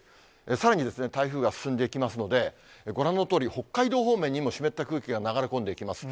さらに、台風が進んでいきますので、ご覧のとおり、北海道方面にも湿った空気が流れ込んでいきます。